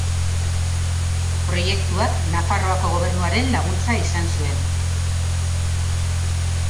Proiektuak Nafarroako Gobernuaren laguntza izan zuen.